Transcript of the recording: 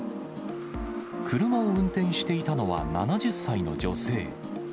車を運転していたのは７０歳の女性。